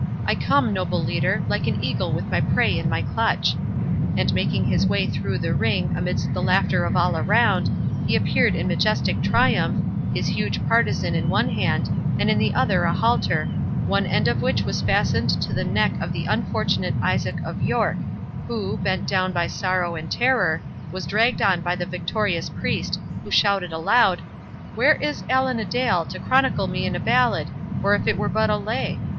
—I come, noble leader, like an eagle with my prey in my clutch."—And making his way through the ring, amidst the laughter of all around, he appeared in majestic triumph, his huge partisan in one hand, and in the other a halter, one end of which was fastened to the neck of the unfortunate Isaac of York, who, bent down by sorrow and terror, was dragged on by the victorious priest, who shouted aloud, "Where is Allan a Dale, to chronicle me in a ballad, or if it were but a lay?